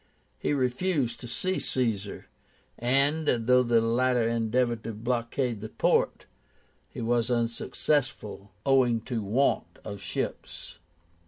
He refused to see Caesar; and, though the latter endeavored to blockade the port, he was unsuccessful, owing to want of ships.